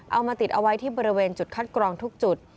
เอามาติดเอาไว้ที่บริเวณจุดคัดกรองทุกจุด